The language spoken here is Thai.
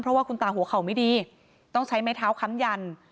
เพราะว่าคุณตาหัวเข่าไม่ดีต้องใช้ไม้เท้าค้ำยัน